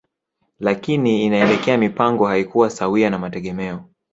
Lakini inaelekea mipango haikuwa sawia na mategemeo